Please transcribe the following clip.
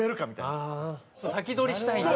先取りしたいんだ。